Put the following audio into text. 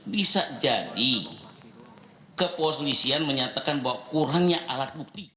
bisa jadi kepolisian menyatakan bahwa kurangnya alat bukti